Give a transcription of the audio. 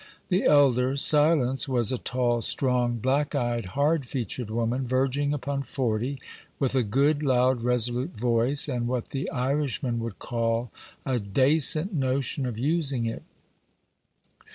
The elder, Silence, was a tall, strong, black eyed, hard featured woman, verging upon forty, with a good, loud, resolute voice, and what the Irishman would call "a dacent notion of using it."